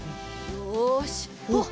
よしおっ！